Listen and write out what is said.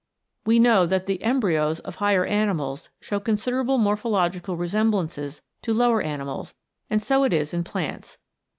We know that the embryos of higher animals show considerable morphological re semblances to lower animals, and so it is in plants.